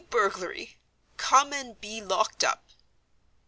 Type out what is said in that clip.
Burglary! Come and be locked up!"